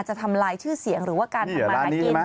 ทำลายชื่อเสียงหรือว่าการทำมาหากิน